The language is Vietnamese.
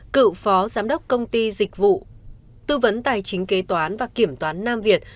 cựu phó giám đốc công ty dịch vụ tư vấn tài chính kế toán và kiểm toán nam việt